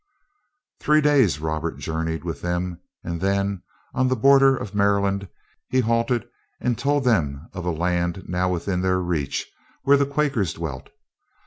Three days Robert journeyed with them, and then, on the border of Maryland, he halted and told them of a land now within their reach, where the Quakers dwelt.